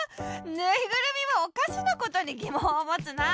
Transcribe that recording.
ぬいぐるみもおかしなことにぎもんをもつなあ。